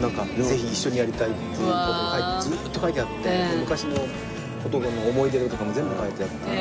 なんか「ぜひ一緒にやりたい」っていう事を書いてずーっと書いてあって昔の事でも思い出とかも全部書いてあって。